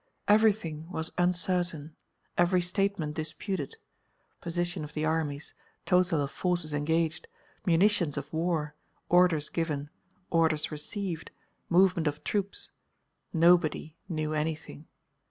Everything was uncertain, every statement disputed, position of the armies, total of forces engaged, munitions of war, orders given, orders received, movements of troops; nobody knew anything.